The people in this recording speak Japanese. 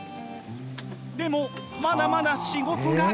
でもまだまだ仕事が。